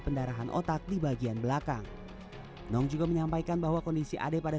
pendarahan otak di bagian belakang nong juga menyampaikan bahwa kondisi ade pada